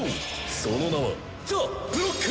その名はザ・ブロック！